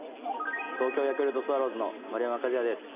東京ヤクルトスワローズの丸山和郁です。